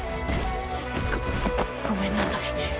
ごごめんなさい